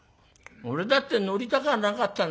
俺だって乗りたくはなかったんだよ。